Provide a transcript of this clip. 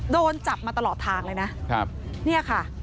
โดนจับมาตลอดทางเลยนะครับเนี่ยค่ะ